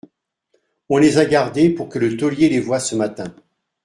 On les a gardés pour que le taulier les voie ce matin.